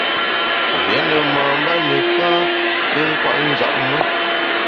Rié ne mamba neka i nkwet njap me.